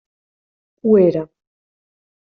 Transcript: Ho era.